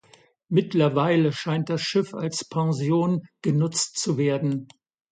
Mittlerweile scheint das Schiff als Pension genutzt zu werden.